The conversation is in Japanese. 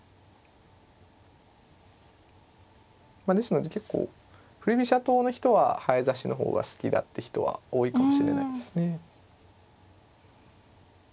ですので結構振り飛車党の人は早指しの方が好きだって人は多いかもしれないですね。